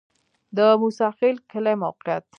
د موسی خیل کلی موقعیت